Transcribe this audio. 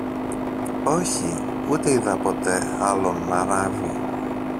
Όχι, ούτε είδα ποτέ άλλον να ράβει.